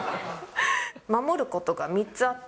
守ることが３つあって。